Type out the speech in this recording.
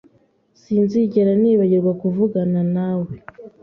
Sinzigera nibagirwa kuvugana nawe.